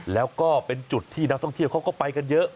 แล้วก็เป็นจุดที่นักท่องเที่ยวเขาก็ไปกันเยอะ